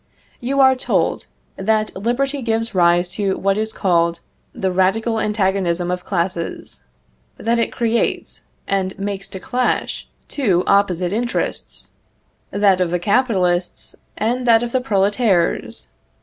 You are told, that liberty gives rise to what is called the radical antagonism of classes; that it creates, and makes to clash, two opposite interests that of the capitalists and that of the "prolétaires."